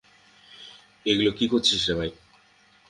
এগুলা কি করছিস রে ভাই?